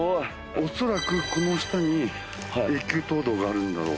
おそらくこの下に永久凍土があるんだろう。